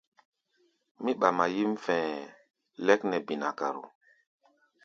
Mí ɓama yíʼm fɛ̧ɛ̧ lɛ́k nɛ binakaro.